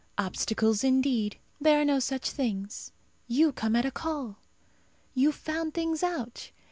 Obstacles, indeed! there are no such things. You come at a call. You found things out.